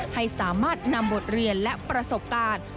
ให้สามารถนำบทเรียนและประสบการณ์